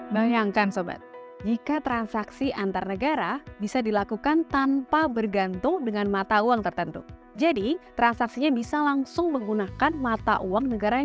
bagaimana cara transaksi antar negara